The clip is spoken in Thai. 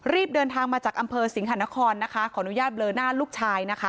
รีบเดินทางมาจากอำเภอสิงหานครนะคะขออนุญาตเบลอหน้าลูกชายนะคะ